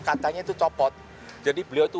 katanya itu copot jadi beliau itu